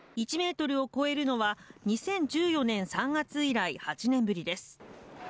１ｍを超えるのは２０１４年３月以来８年ぶりです。